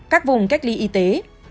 các vùng cách ly y tế